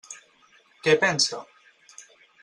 Què pensa?